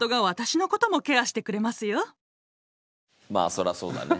そりゃそうだね。